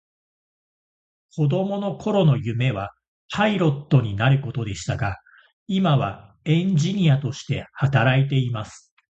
子供の頃の夢はパイロットになることでしたが、今はエンジニアとして働いています。